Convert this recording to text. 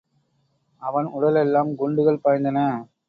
அவன் உடலெல்லாம் குண்டுகள் பாய்ந்தன.